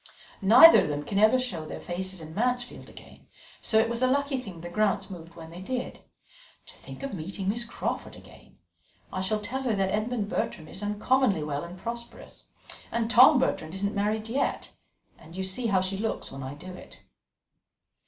Neither of them can ever show their faces in Mansfield again, so it was a lucky thing the Grants moved when they did. To think of meeting Miss Crawford again! I shall tell her that Edmund Bertram is uncommonly well and prosperous, and Tom Bertram isn't married yet; and you see how she looks when I do it."